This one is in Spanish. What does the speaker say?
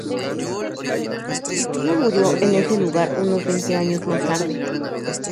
Pipino murió en ese lugar unos veinte años más tarde.